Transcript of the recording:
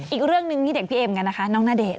อีกเรื่องนึงให้เด็กพี่เอ๋มกันน้องนาเดะ